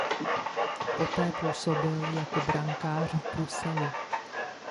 Poté působil jako bankéř v Bruselu.